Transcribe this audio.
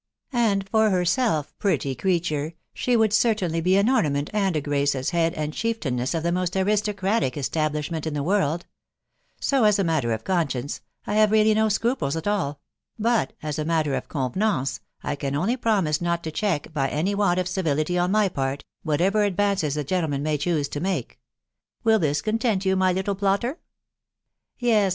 ... And for herself, pretty creature, she would certainly be an ornament and a grace as head and chief tainess of the most aristocratic establishment in the world ; so, as a matter of conscience, I have really no scruples at all ; but, as matter of convenance, I can only promise not to check, by any want of civility on my part, whatever ad* vances the gentleman may choose to make. Will this content you, my little plotter ?"" Yes